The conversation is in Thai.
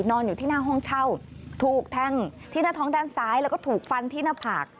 อยู่ที่หน้าห้องเช่าถูกแทงที่หน้าท้องด้านซ้ายแล้วก็ถูกฟันที่หน้าผาก